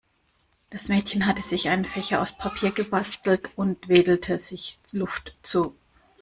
Das Mädchen hatte sich einen Fächer aus Papier gebastelt und wedelte sich Luft zu.